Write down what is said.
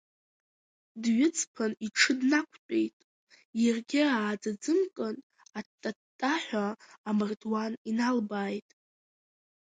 Дҩыҵԥан иҽы днақәтәеит, иаргьы ааӡыӡымкын, атта-ттаҳәа амардуан иналбааит.